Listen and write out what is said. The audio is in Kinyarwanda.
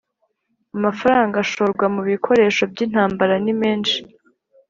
amafaranga ashorwa mubikoresho byintambara ni menshi